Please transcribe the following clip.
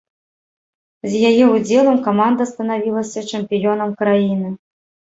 З яе ўдзелам каманда станавілася чэмпіёнам краіны!